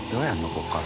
ここから。